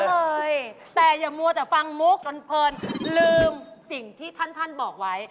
เยอะเลยแต่อย่าโม้แต่ฟังมุกกล่อนเพิลลืมสิ่งที่ท่านบอกไว้